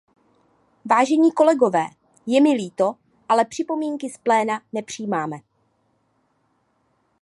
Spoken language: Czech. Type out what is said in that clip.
Vážení kolegové, je mi líto, ale připomínky z pléna nepřijímáme.